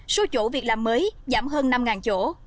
số chỗ việc làm mới giảm hơn năm chỗ